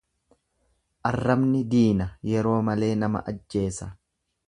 Arrabni diina, yeroo malee nama ajjeesa.